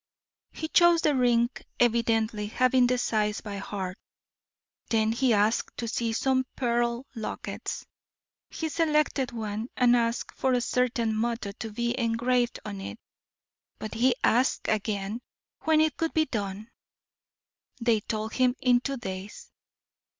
"He chose the ring, evidently having the size by heart. Then he asked to see some pearl lockets. He selected one, and asked for a certain motto to be engraved on it. But he asked again when it could be done. They told him in two days.